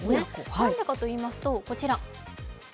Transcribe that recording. なぜかといいますと、こちら。